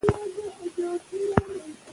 موږ باید ماشومانو ته وخت ورکړو.